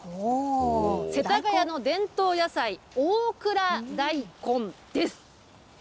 世田谷の伝統野菜、大蔵大根です。